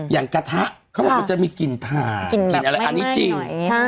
อย่างกระทะเขาบอกว่ามันจะมีกลิ่นถ่านอันนี้จริง